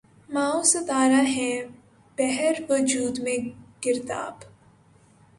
مہ و ستارہ ہیں بحر وجود میں گرداب